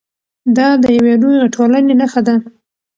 دا د یوې روغې ټولنې نښه ده.